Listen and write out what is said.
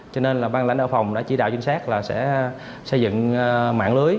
cho nên là bang lãnh ở phòng đã chỉ đạo chính xác là sẽ xây dựng mạng lưới